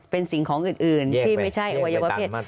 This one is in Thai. เป็นสิ่งของอื่นที่ไม่ใช่อวัยวะเพศ